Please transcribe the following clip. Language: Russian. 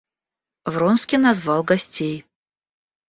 Вронский назвал гостей.